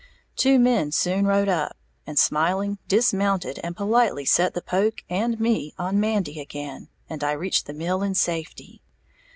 Two men soon rode up, and smiling, dismounted and politely set the poke and me on Mandy again, and I reached the mill in safety.